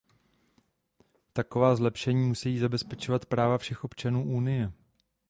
Taková zlepšení musejí zabezpečovat práva všech občanů Unie.